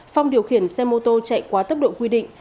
phong điều khiển xe mô tô chạy quá tốc độ quy định